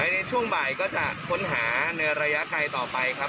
ในช่วงบ่ายก็จะค้นหาในระยะไกลต่อไปครับ